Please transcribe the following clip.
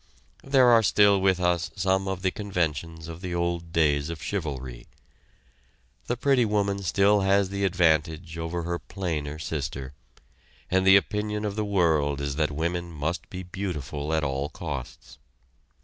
There are still with us some of the conventions of the old days of chivalry. The pretty woman still has the advantage over her plainer sister and the opinion of the world is that women must be beautiful at all costs.